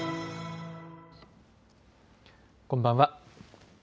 こんばんは。